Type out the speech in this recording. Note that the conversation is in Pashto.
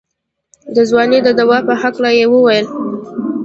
د ځوانۍ د دوا په هکله يې وويل.